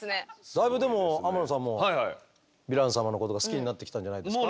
だいぶでも天野さんもヴィラン様のことが好きになってきたんじゃないですか？